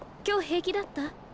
今日平気だった？